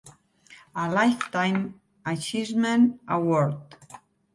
A lifetime achievement award.